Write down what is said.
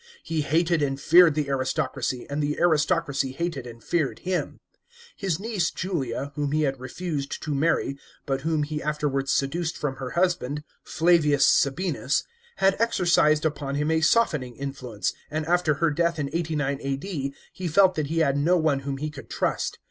He hated and feared the aristocracy, and the aristocracy hated and feared him. His niece Julia, whom he had refused to marry, but whom he afterwards seduced from her husband, Flavius Sabinus, had exercised upon him a softening influence, and after her death in 89 A.D. he felt that he had no one whom he could trust.